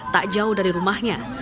tak jauh dari rumahnya